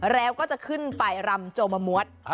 แล้วก็จะขึ้นไปรำโจมะมวด